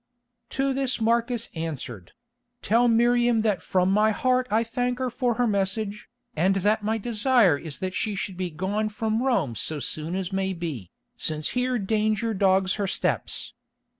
To this Marcus answered: "Tell Miriam that from my heart I thank her for her message, and that my desire is that she should be gone from Rome so soon as may be, since here danger dogs her steps.